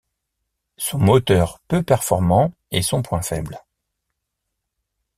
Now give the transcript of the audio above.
Son moteur peu performant est son point faible.